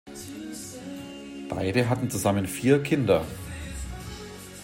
Beide hatten zusammen vier Kinder.